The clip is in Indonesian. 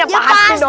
ya pasti dong